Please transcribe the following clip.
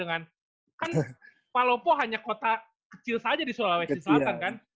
kan palopo hanya kota kecil saja di sulawesi selatan kan